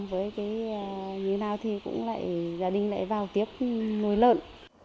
với cái như thế nào thì cũng lại gia đình lại vào tiếp nuôi lợn